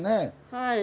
はい。